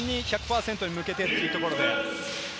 本戦に１００％向けてというところです。